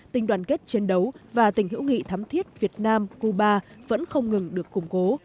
tình đoàn kết chiến đấu và tình hữu nghị thắm thiết việt nam cuba vẫn không ngừng được củng cố